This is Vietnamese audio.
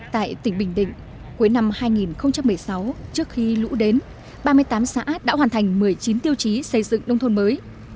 tại tỉnh bình định cuối năm hai nghìn một mươi sáu trước khi lũ đến ba mươi tám xã đã hoàn thành một mươi chín tiêu chí xây dựng nông thôn mới